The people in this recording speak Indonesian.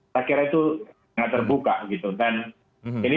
saya kira itu tidak terbuka gitu dan ini